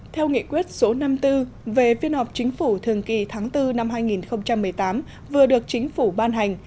theo nghị quyết số năm mươi bốn về phiên họp chính phủ thường kỳ tháng bốn năm hai nghìn một mươi tám vừa được chính phủ ban hành